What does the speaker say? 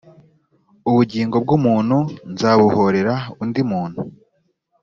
ubugingo bw umuntu nzabuhorera undi muntu